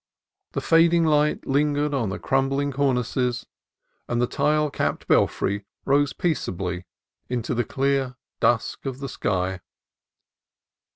The fading light lingered on the crumbling cornices, and the tile capped belfry rose peacefully into the clear dusk of the sky.